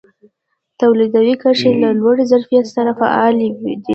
تولیدي کرښې له لوړ ظرفیت سره فعالې دي.